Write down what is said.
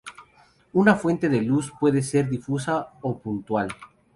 Una fuente de luz puede ser difusa o puntual.